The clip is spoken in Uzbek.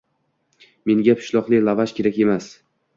Menga pishloqli lavash kerak emas?